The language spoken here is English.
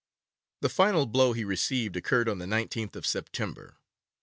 The final blow he received occurred on the 19th of September.